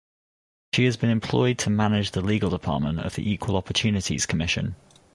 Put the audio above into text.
She has been employed to manage the legal department of the Equal Opportunities Commission.